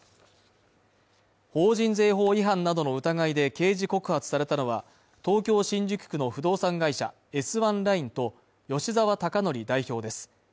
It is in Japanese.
法人税法違反などの疑いで刑事告発されたのは東京新宿区の不動産会社ＳＹＬｉｎｅと、吉沢孝典代表です。